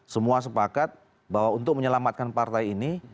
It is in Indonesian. semua sepakat bahwa untuk menyelamatkan partai ini